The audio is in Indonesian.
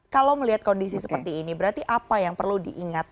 kalau melihat kondisi seperti ini berarti apa yang perlu diingat